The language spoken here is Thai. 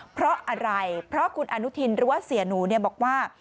เพราะอะไรเพราะคุณอนุทินหรือว่าเสียหนูบอกว่า